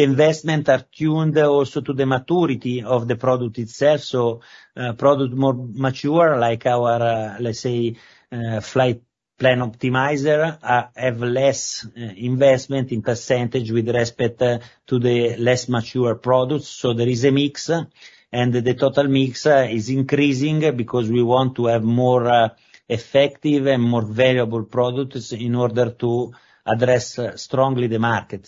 course, the investment are tuned also to the maturity of the product itself, so product more mature, like our, let's say, Flight Plan Optimizer have less investment in percentage with respect to the less mature products. There is a mix, and the total mix is increasing, because we want to have more effective and more valuable products in order to address strongly the market.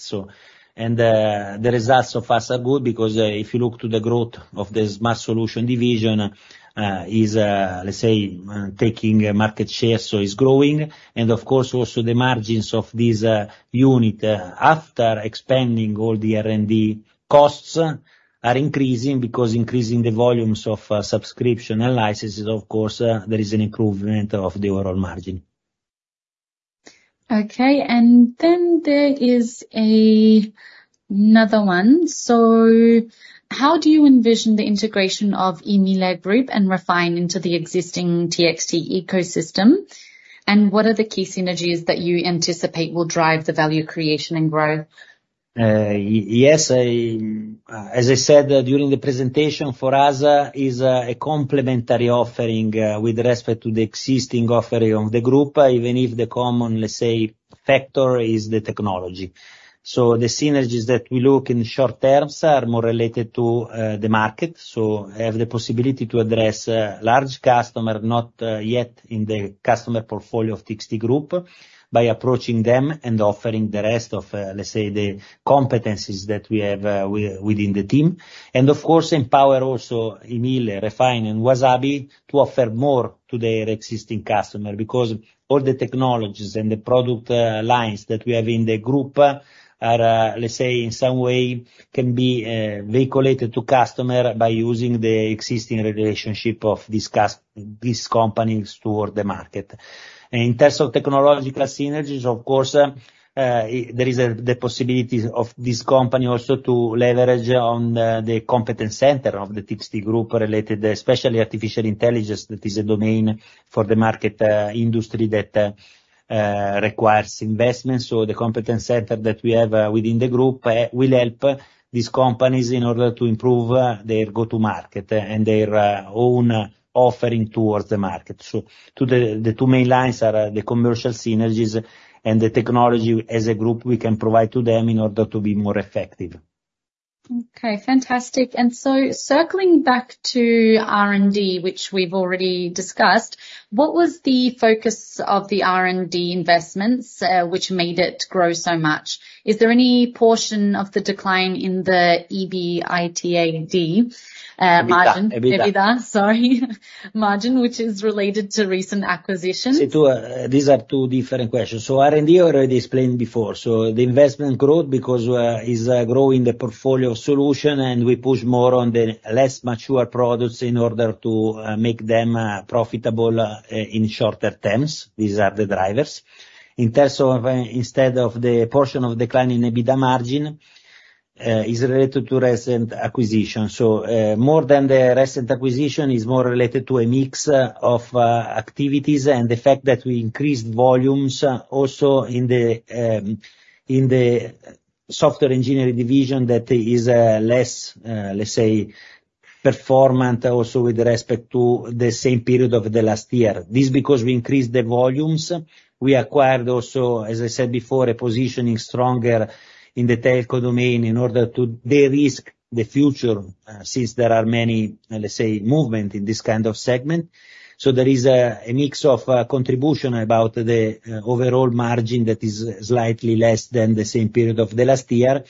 The results so far are good, because if you look to the growth of the Smart Solutions division, is, let's say, taking market share, so it's growing. And of course, also the margins of this unit, after expanding all the R&D costs, are increasing, because increasing the volumes of subscription and licenses, of course, there is an improvement of the overall margin. Okay, and then there is another one. So how do you envision the integration of I MILLE Group and Refine into the existing TXT ecosystem? And what are the key synergies that you anticipate will drive the value, creation, and growth? Yes, as I said during the presentation, for us is a complementary offering with respect to the existing offering of the group, even if the common, let's say, factor is the technology. So the synergies that we look in short terms are more related to the market, so have the possibility to address large customer not yet in the customer portfolio of TXT Group, by approaching them and offering the rest of, let's say, the competencies that we have within the team. And of course, empower also I MILLE, Refine, and Uasabi to offer more to their existing customer, because all the technologies and the product lines that we have in the group are, let's say, in some way can be vehiculated to customer by using the existing relationship of these companies toward the market. In terms of technological synergies, of course, there is the possibility of this company also to leverage on the competence center of the TXT Group, related especially artificial intelligence, that is a domain for the market industry that requires investments, so the competence center that we have within the group will help these companies in order to improve their go-to-market and their own offering towards the market. The two main lines are the commercial synergies and the technology as a group we can provide to them in order to be more effective. Okay, fantastic. And so circling back to R&D, which we've already discussed, what was the focus of the R&D investments, which made it grow so much? Is there any portion of the decline in the EBITDA margin? EBITDA. EBITDA, sorry. Margin, which is related to recent acquisitions. So, two, these are two different questions. R&D, I already explained before, so the investment growth because is growing the portfolio solution, and we push more on the less mature products in order to make them profitable in shorter terms. These are the drivers. In terms of the portion of decline in EBITDA margin is related to recent acquisition. So, more than the recent acquisition, is more related to a mix of activities and the fact that we increased volumes also in the Software Engineering division that is less, let's say, performant also with respect to the same period of the last year. This because we increased the volumes. We acquired also, as I said before, a positioning stronger in the telco domain in order to de-risk the future, since there are many, let's say, movement in this kind of segment. So there is a mix of contribution about the overall margin that is slightly less than the same period of the last year,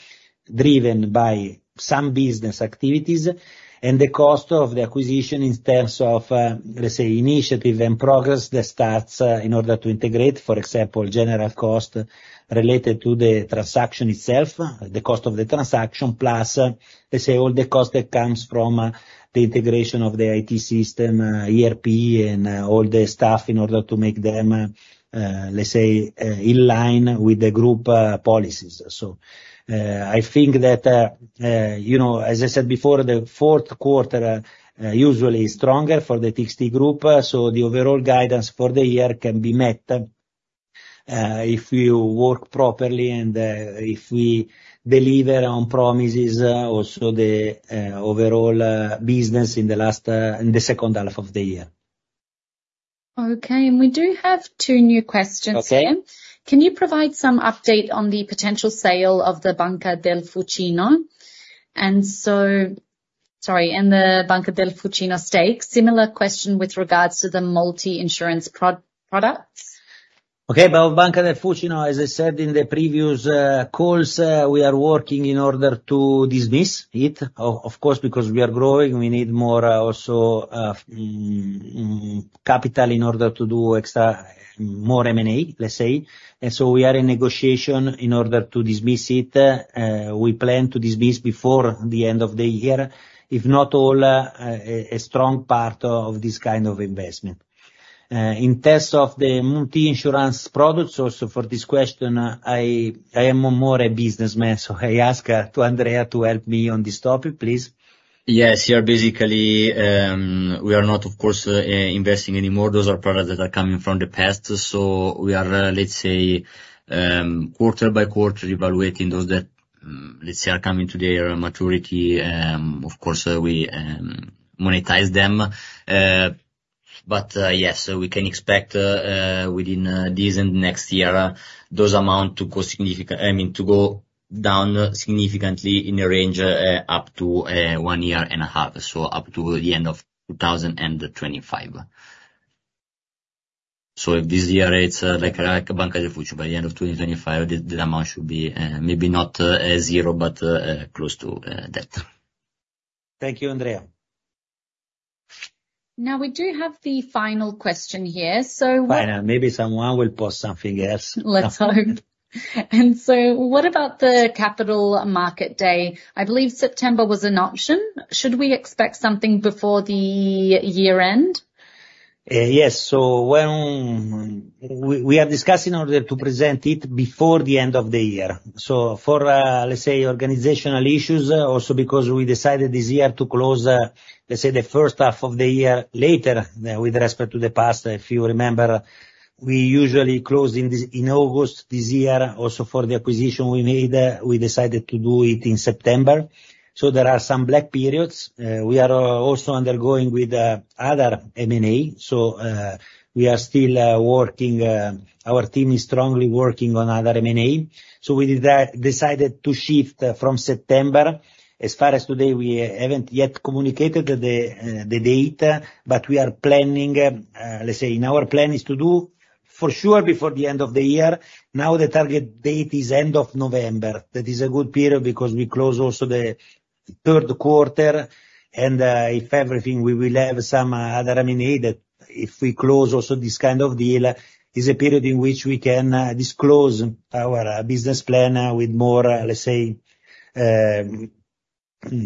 driven by some business activities and the cost of the acquisition in terms of, let's say, initiative and progress that starts in order to integrate, for example, general cost related to the transaction itself, the cost of the transaction, plus, let's say, all the cost that comes from the integration of the IT system, ERP and all the staff in order to make them, let's say, in line with the group policies. I think that, you know, as I said before, the 4th quarter usually is stronger for the TXT Group, so the overall guidance for the year can be met if you work properly and if we deliver on promises. Also the overall business in the 2nd half of the year. Okay, and we do have two new questions here. Okay. Can you provide some update on the potential sale of the Banca del Fucino? Sorry, and the Banca del Fucino stake. Similar question with regards to the multi-insurance products. Okay, about Banca del Fucino, as I said in the previous calls, we are working in order to dismiss it. Of course, because we are growing, we need more also capital in order to do extra, more M&A, let's say. And so we are in negotiation in order to dismiss it. We plan to dismiss before the end of the year, if not all, a strong part of this kind of investment. In terms of the multi-insurance products, also for this question, I am more a businessman, so I ask to Andrea to help me on this topic, please. Yes, here, basically, we are not, of course, investing anymore. Those are products that are coming from the past, so we are, let's say, quarter by quarter, evaluating those that, let's say, are coming to their maturity. Of course, we monetize them. But, yes, so we can expect, within, this and next year, those amount to go significant- I mean, to go down significantly in the range, up to, one year and a half, so up to the end of 2025. So if this year it's, like, Banca del Fucino, by the end of 2025, the amount should be, maybe not, zero, but, close to, that. Thank you, Andrea. Now, we do have the final question here. So what- I know, maybe someone will post something else. Let's hope. And so, what about the Capital Market Day? I believe September was an option. Should we expect something before the year end? Yes. So we are discussing in order to present it before the end of the year. So for, let's say, organizational issues, also because we decided this year to close, let's say the 1st half of the year later, with respect to the past. If you remember, we usually close in this, in August. This year, also for the acquisition we made, we decided to do it in September. So there are some blank periods. We are also undergoing with other M&A, so we are still working. Our team is strongly working on other M&A, so we decided to shift from September. As far as today, we haven't yet communicated the date, but we are planning, let's say, and our plan is to do for sure before the end of the year. Now, the target date is end of November. That is a good period, because we close also the 3rd quarter, and, if everything, we will have some, other M&A that, if we close also this kind of deal, is a period in which we can, disclose our, business plan with more, let's say,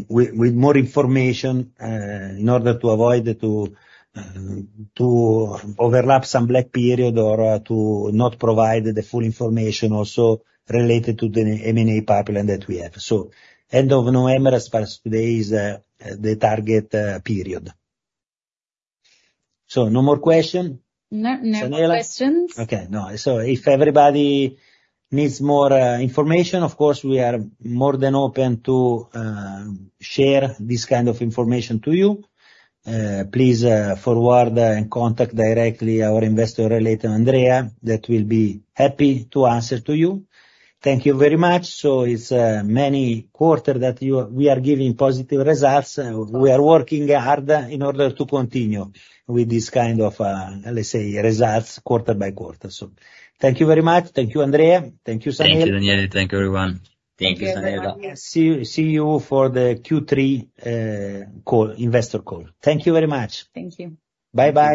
with, with more information, in order to avoid to, to overlap some blank period or, to not provide the full information also related to the M&A pipeline that we have. So end of November, as far as today, is, the target, period. So no more question? No, no questions. Okay, no. So if everybody needs more information, of course, we are more than open to share this kind of information to you. Please forward and contact directly our investor relator, Andrea, that will be happy to answer to you. Thank you very much. It's many quarters that we are giving positive results. We are working hard in order to continue with this kind of, let's say, results quarter by quarter. Thank you very much. Thank you, Andrea. Thank you, Daniele. Thank you, Daniele. Thank you, everyone. Thank you, everyone. Thank you, Daniele. See you for the Q3 call, investor call. Thank you very much. Thank you. Bye-bye.